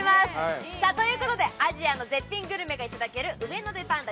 ということでアジアの絶品グルメがいただけるウエノデ．パンダ